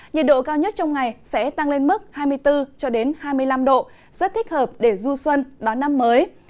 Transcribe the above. nhiệt độ cao nhất trong ngày sẽ tăng lên mức hai mươi bốn hai mươi năm độ rất thích hợp để du xuân đón năm mới